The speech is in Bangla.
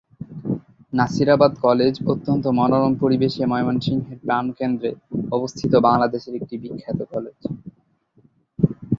নাসিরাবাদ কলেজ অত্যন্ত মনোরম পরিবেশে ময়মনসিংহের প্রাণকেন্দ্রে অবস্থিত বাংলাদেশের একটি বিখ্যাত কলেজ।